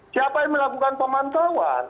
siapa yang melakukan pemantauan